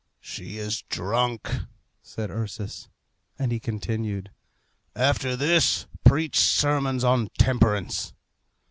"She is drunk," said Ursus; and he continued, "After this, preach sermons on temperance!"